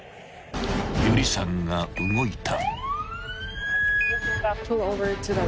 ［有理さんが動いた］